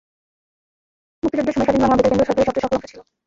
মুক্তিযুদ্ধের সময় স্বাধীন বাংলা বেতার কেন্দ্র সরকারের সবচেয়ে সফল অংশ ছিল।